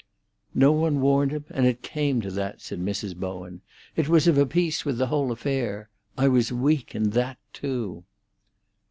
"No one warned him, and it came to that," said Mrs. Bowen. "It was of a piece with the whole affair. I was weak in that too."